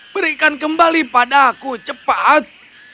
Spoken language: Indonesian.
berikan kembali padaku cepat